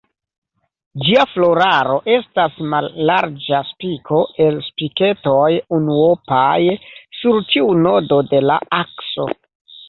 Gia floraro estas mallarĝa spiko el spiketoj unuopaj sur ĉiu nodo de la akso.